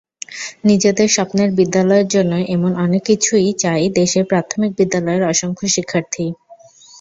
নিজেদের স্বপ্নের বিদ্যালয়ের জন্য এমন অনেক কিছুই চায় দেশের প্রাথমিক বিদ্যালয়ের অসংখ্য শিক্ষার্থী।